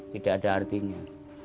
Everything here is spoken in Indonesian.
tidak ada artinya